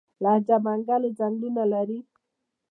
د لجه منګل ځنګلونه لري